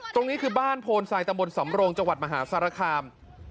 ตรงนี้คือบ้านโพนทรายตำบลสำโรงจังหวัดมหาสารคาม